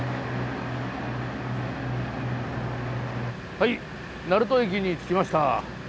はい鳴門駅に着きました。